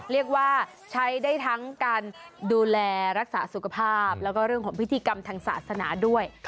เรียกว่าใช้ได้ทั้งการดูแลรักษาสุขภาพแล้วก็เรื่องของพิธีกรรมทางศาสนาด้วย